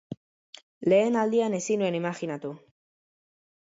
Lehen aldian ezin nuen imajinatu.